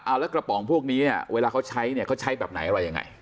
แล้วกระป๋องพวกนี้เนี่ยเวลาเขาใช้เนี่ยเขาใช้แบบไหนอะไรยังไง